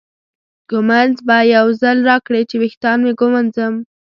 ږومنځ به یو ځل راکړې چې ویښتان مې وږمنځم.